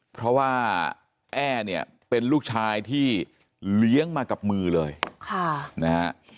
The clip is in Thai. เพราะว่าแอ้เป็นลูกชายที่เลี้ยงมากับมือเลยค่ะ